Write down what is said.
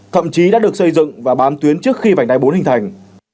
thậm chí đã được xây dựng và bán tuyến trước khi vành đai bốn hình thành